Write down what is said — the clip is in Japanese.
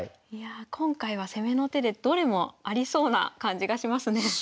今回は攻めの手でどれもありそうな感じがしますね。